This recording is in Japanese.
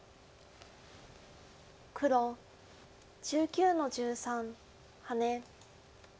黒１９の十三ハネ。